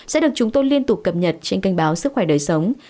sẽ được chúng tôi liên tục cập nhật trên kênh báo sức khỏe đời sống